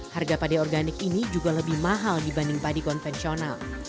harga padi organik ini juga lebih mahal dibanding padi konvensional